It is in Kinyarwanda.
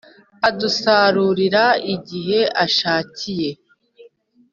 adusarurira, igihe ashakaiye